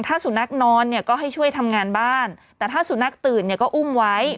ถ้าสุนัขนอนเนี่ยก็ให้ช่วยทำงานบ้านแต่ถ้าสุนัขตื่นเนี่ยก็อุ้มไว้